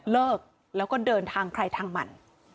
เลิกแล้วก็เดินทางใครทางมัน